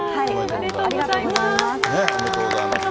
ありがとうございます。